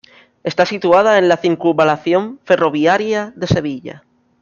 Está situada en la circunvalación ferroviaria de Sevilla.